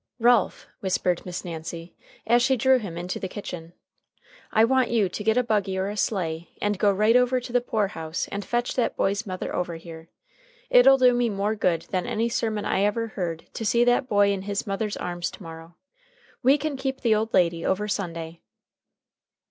"Ralph," whispered Miss Nancy, as she drew him into the kitchen, "I want you to get a buggy or a sleigh, and go right over to the poor house and fetch that boy's mother over here. It'll do me more good than any sermon I ever heard to see that boy in his mother's arms to morrow. We can keep the old lady over Sunday."